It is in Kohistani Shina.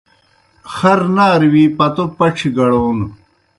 خر نارہ وِی پتو پڇھیْ گڑون